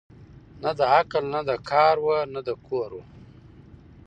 نه د عقل نه د کار وه نه د کور وه